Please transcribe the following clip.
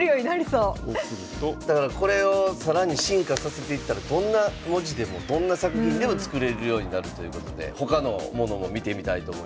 だからこれを更に進化させていったらどんな文字でもどんな作品でも作れるようになるということで他のものも見てみたいと思います。